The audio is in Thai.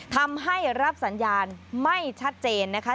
ทำให้รับสัญญาณไม่ชัดเจนนะคะ